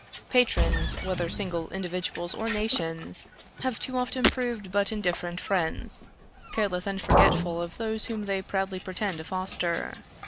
Patrons, whether single individuals or nations, have too often proved but indifferent friends, careless and forgetful of those whom they proudly pretend to foster.